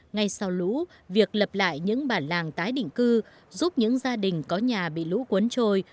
ngay sau lũ việc lập lại những bản làng tái định cư giúp những gia đình có nhà bị lũ cuốn trôi